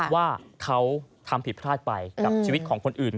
ว่าเขาทำผิดพลาดไปกับชีวิตของคนอื่น